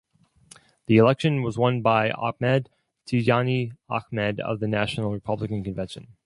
The election was won by Ahmed Tijani Ahmed of the National Republican Convention.